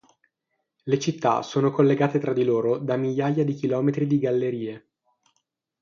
Le città sono collegate tra loro da migliaia di chilometri di gallerie.